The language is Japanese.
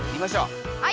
はい！